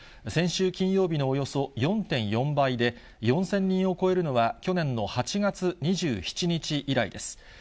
先週金曜日のおよそ４．４倍で、４０００人を超えるのは、去年の８月２７日以来です。